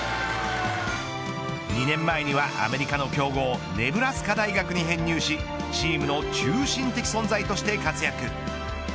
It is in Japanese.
２年前にはアメリカの強豪ネブラスカ大学に編入しチームの中心的存在として活躍。